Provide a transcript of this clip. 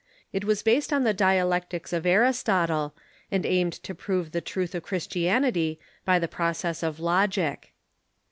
It was based on the dialectics of Aristotle, and aimed to prove the truth of Christianity by the process of logic.